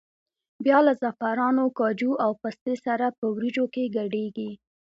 بیا له زعفرانو، کاجو او پستې سره په وریجو کې ګډېږي.